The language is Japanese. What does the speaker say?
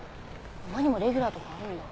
馬にもレギュラーとかあるんだ。